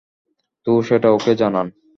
তো সেটা ওকে জানান।